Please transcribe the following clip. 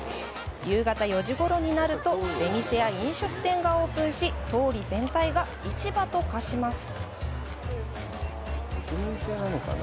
夕方４時ごろになると出店や飲食店がオープンし通り全体が市場と化します。